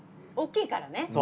おっきいからね。